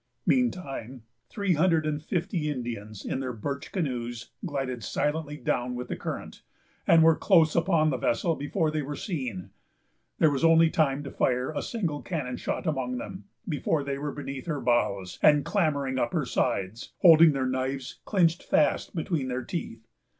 Meantime, three hundred and fifty Indians, in their birch canoes, glided silently down with the current, and were close upon the vessel before they were seen. There was only time to fire a single cannon shot among them, before they were beneath her bows, and clambering up her sides, holding their knives clinched fast between their teeth.